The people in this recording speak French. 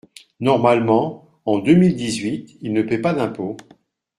Normalement, en deux mille dix-huit, il ne paie pas d’impôt.